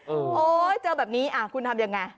โอ้โหเจอแบบนี้คุณทำยังไง